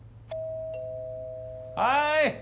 はい。